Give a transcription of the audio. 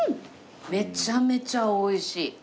めちゃめちゃ美味しい。